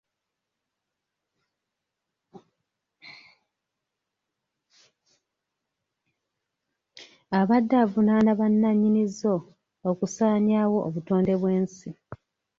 Abadde avunaana bannannyini zo okusaanyaawo obutonde bw'ensi.